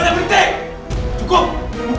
tengah minum sedikit